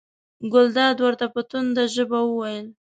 ګلداد ورته په تنده ژبه وویل.